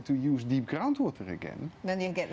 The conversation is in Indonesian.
jika orang yang menggunakan reklamasi tanah